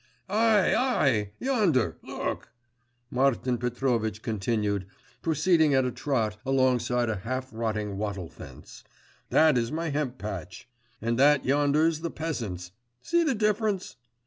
'Ay, ay! Yonder, look,' Martin Petrovitch continued, proceeding at a trot alongside a half rotting wattle fence, 'that is my hemp patch; and that yonder's the peasants'; see the difference?